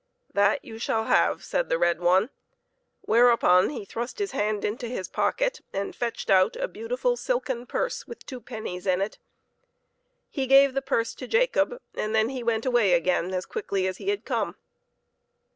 " That you shall have," said the red one; whereupon he thrust his hand into his pocket, and fetched out a beautiful silken purse with two pennies in it. He gave the purse to Jacob, and then he went away again as quickly as he had come.